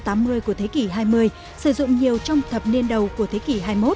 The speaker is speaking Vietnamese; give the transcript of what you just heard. trong những năm tám mươi của thế kỷ hai mươi sử dụng nhiều trong thập niên đầu của thế kỷ hai mươi một